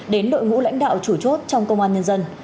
đến đội ngũ lãnh đạo chủ chốt trong công an nhân dân